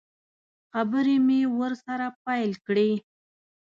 خبرې مې ورسره پیل کړې.